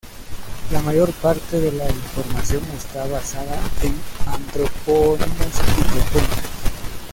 La mayor parte de la información está basada en antropónimos y topónimos.